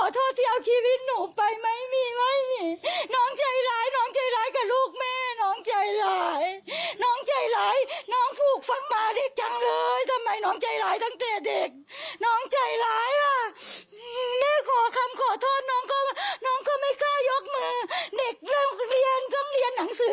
เด็กเรื่องเรียนต้องเรียนหนังสือ